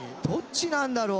どっちだ？